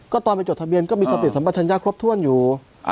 ตอนไปจดทะเบียนก็มีสติสัมปัชญาครบถ้วนอยู่